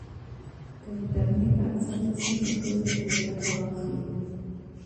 که انټرنیټ ارزانه سي نو ټول به ترې ګټه واخلي.